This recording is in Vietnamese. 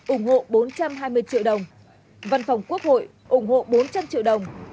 ủng hộ bốn trăm hai mươi triệu đồng văn phòng quốc hội ủng hộ bốn trăm linh triệu đồng